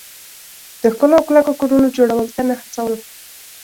د ښکلو او کلکو کورونو جوړولو ته نه هڅول.